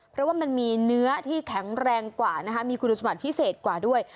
เพราะว่ามันมีเนื้อที่แข็งแรงกว่านะคะมีคุณสมบัติพิเศษกว่าด้วย